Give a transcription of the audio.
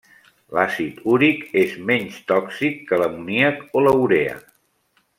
L'àcid úric és menys tòxic que l'amoníac o la urea.